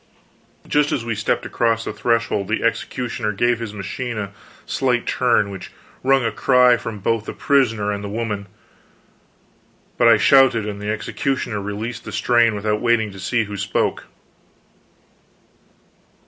Just as we stepped across the threshold the executioner gave his machine a slight turn, which wrung a cry from both the prisoner and the woman; but I shouted, and the executioner released the strain without waiting to see who spoke.